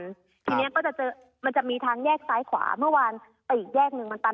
ทีนี้ก็จะเจอมันจะมีทางแยกซ้ายขวาเมื่อวานไปอีกแยกหนึ่งมันตัน